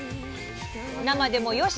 生でもよし！